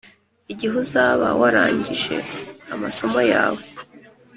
igihe uzaba warangije amasomo yawe.